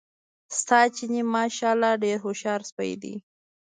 ستا چیني ماشاءالله ډېر هوښیار سپی دی.